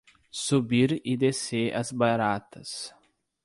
Subir e descer as baratas.